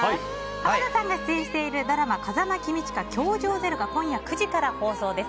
濱田さんが出演しているドラマ「風間公親‐教場０‐」が今夜９時から放送です。